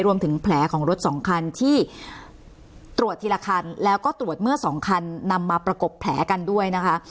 รวมถึงแผลของรถสองคันที่ตรวจทีละคันแล้วก็ตรวจเมื่อสองคันนำมาประกบแผลกันด้วยนะคะ